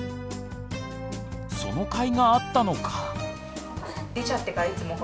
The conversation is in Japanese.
そのかいがあったのか。